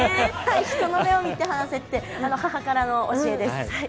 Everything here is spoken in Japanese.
人の目を見て話せって母からの教えです。